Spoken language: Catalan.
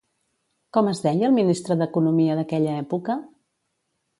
Com es deia el ministre d'Economia d'aquella època?